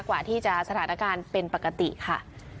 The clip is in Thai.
กว่าที่จะสถานการณ์เป็นปกติค่ะ